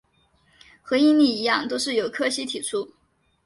和应力一样都是由柯西提出。